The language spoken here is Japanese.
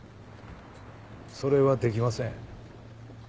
それはできません。